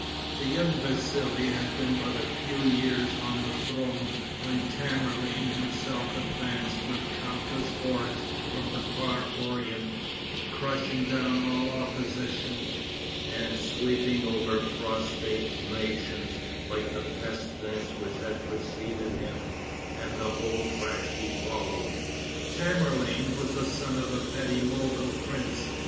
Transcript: The young Vassali had been but a few years on the throne when Tamerlane himself advanced with countless hordes from the far Orient, crushing down all opposition, and sweeping over prostrate nations like the pestilence which had preceded him, and whose track he followed. Tamerlane was the son of a petty Mogol prince.